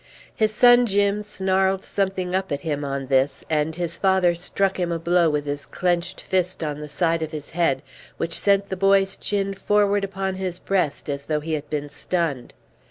His son Jim snarled something up at him on this, and his father struck him a blow with his clenched fist on the side of his head, which sent the boy's chin forward upon his breast as though he had been stunned.